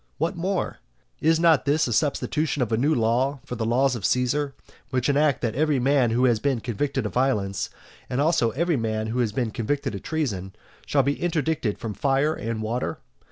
What more? Is not this a substitution of a new law for the laws of Caesar, which enact that every man who has been convicted of violence, and also every man who has been convicted of treason, shall be interdicted from fire and water?